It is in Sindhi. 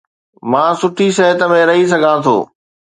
مان سٺي صحت ۾ رهي سگهان ٿو